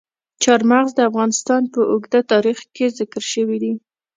چار مغز د افغانستان په اوږده تاریخ کې ذکر شوي دي.